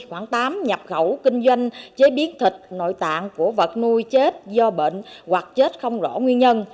quảng tám nhập khẩu kinh doanh chế biến thịt nội tạng của vật nuôi chết do bệnh hoặc chết không rõ nguyên nhân